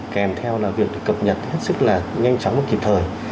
kèm theo là việc được cập nhật hết sức là nhanh chóng và kịp thời